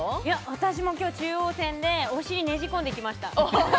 私も今日中央線でお尻ねじ込んできました。